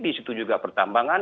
di situ juga pertambangan